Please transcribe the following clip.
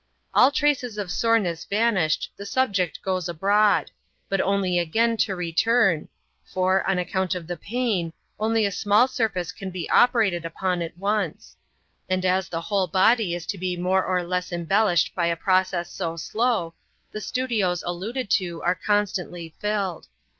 All traces of soreness vanished, the subject goes abroad ; but only again to return ; for, on account of the pain, only a small sui^ace can be operated upon at once ; and as the whole body is to be more or less embellished by a process so slow, the stu dios alluded to are constantly filled.